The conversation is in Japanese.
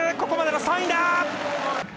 ここまでの３位だ。